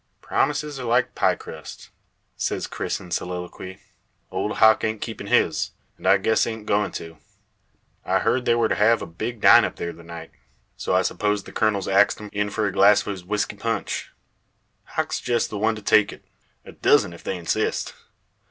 "Promises are like pie crust," says Cris in soliloquy; "Old Hawk aint keeping his, and I guess aint goin' to. I heard they war to have a big dine up there the night. So I suppose the colonel's axed him in for a glass o' his whiskey punch. Hawk's jest the one to take it a dozen, if they insist.